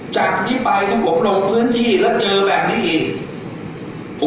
จากนี้ไปถ้าผมลงพื้นที่แล้วเจอแบบนี้อีก